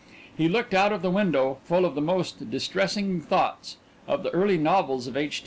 He looked out of the window full of the most distressing thoughts of the early novels of H.